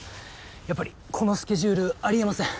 やっぱりこのスケジュールありえません。